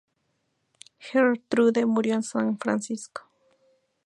Gertrude murió en San Francisco.